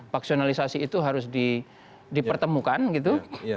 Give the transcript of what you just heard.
paksionalisasi itu harus dipertemukan gitu